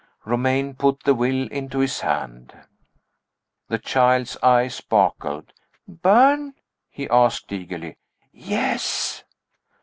Romayne put the will into his hand. The child's eyes sparkled. "Burn?" he asked, eagerly. "Yes!"